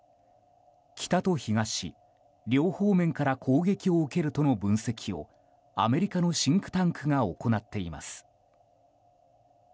北と東、両方面から攻撃を受けるとの分析をアメリカのシンクタンクが行っています。